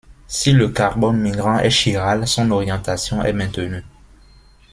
Si le carbone migrant est chiral, son orientation est maintenue.